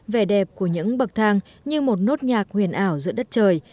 vẻ đẹp của những bậc thang như một nốt nhạc huyền ảo giữa đất trời